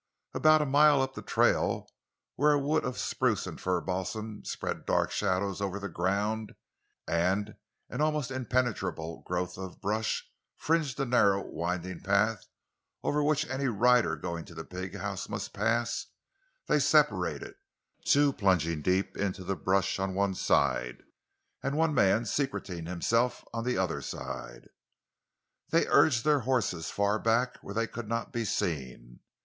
About a mile up the trail, where a wood of spruce and fir balsam spread dark shadows over the ground, and an almost impenetrable growth of brush fringed the narrow, winding path over which any rider going to the big house must pass, they separated, two plunging deep into the brush on one side, and one man secreting himself on the other side. They urged their horses far back, where they could not be seen.